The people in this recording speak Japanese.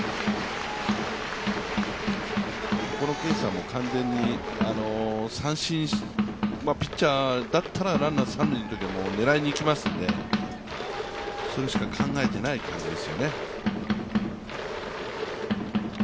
このケースは完全に三振、ピッチャーだったらランナー三塁のときは狙いにいきますので、それしか考えていない感じですよね。